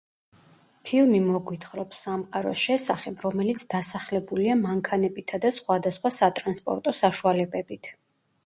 ფილმი მოგვითხრობს სამყაროს შესახებ, რომელიც დასახლებულია მანქანებითა და სხვა სატრანსპორტო საშუალებებით.